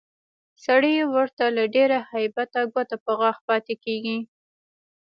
سړی ورته له ډېره هیبته ګوته په غاښ پاتې کېږي